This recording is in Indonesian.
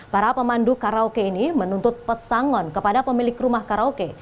para pemandu karaoke ini menuntut pesangon kepada pemilik rumah karaoke